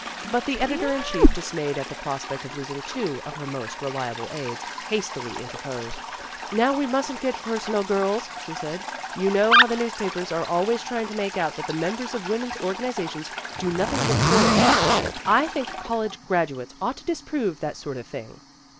But the editor in chief, dismayed at the prospect of losing two af her most reliable aides, hastily interposed. "Now we mustn't get personal, girls," she said. "You know how the newspapers are always trying to make out that the members of women's organizations do nothing but quarrel. I think college graduates ought to disprove that sort of thing."